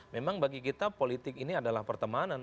memang bagi kita politik ini adalah pertemanan